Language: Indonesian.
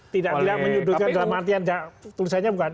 tidak tidak menyudutkan dalam artian tulisannya bukan